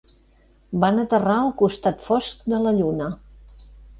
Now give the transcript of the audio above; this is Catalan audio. Van aterrar al costat fosc de la lluna.